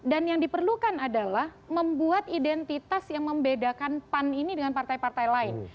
dan yang diperlukan adalah membuat identitas yang membedakan pan ini dengan partai partai lain